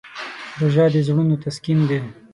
روژه د زړونو تسکین دی.